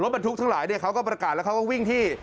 บรรทุกทั้งหลายเขาก็ประกาศแล้วเขาก็วิ่งที่